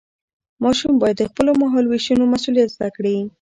ماشوم باید د خپلو مهالوېشونو مسؤلیت زده کړي.